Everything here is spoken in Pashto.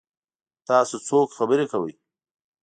تاسو څوک خبرې کوي؟